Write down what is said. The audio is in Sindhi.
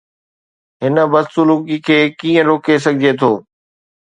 هن بدسلوڪي کي ڪيئن روڪي سگهجي ٿو؟